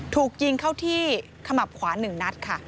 ถูกยิงเข้าที่ขมับขวา๑นัดค่ะ